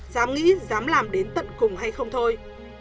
dám nghĩ dám làm đến tận cùng hay không thôi